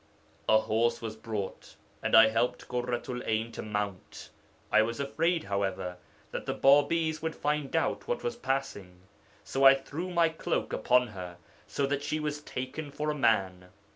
'A horse was brought, and I helped Ḳurratu'l 'Ayn to mount. I was afraid, however, that the Bābīs would find out what was passing. So I threw my cloak upon her, so that she was taken for a man.